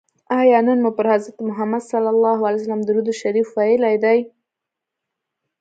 آیا نن مو پر حضرت محمد صلی الله علیه وسلم درود شریف ویلي دی؟